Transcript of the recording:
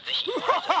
アハハハ！